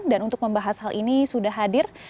dan untuk membahas hal ini sudah hadir